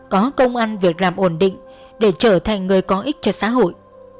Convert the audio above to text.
có công an việc làm ổn định để trở thành người có ích cho xã hội